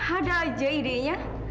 ada aja idenya